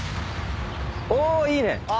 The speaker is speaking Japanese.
おいいね！